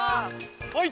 はい！